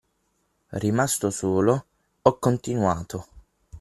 Rimasto solo, ho continuato.